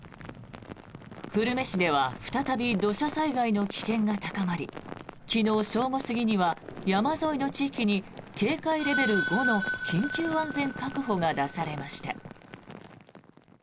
久留米市では再び土砂災害の危険が高まり昨日正午過ぎには山沿いの地域に警戒レベル５の緊急安全確保が出されました。